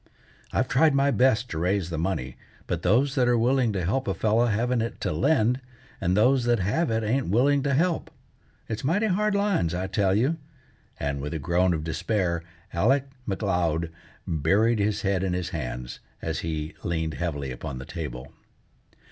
I've tried my best to raise the money, but those that are willing to help a fellow haven't it to lend, and those that have it ain't willing to help. It's mighty hard lines, I tell you," and, with a groan of despair, Alec M'Leod buried his head in his hands, as he leaned heavily upon the table.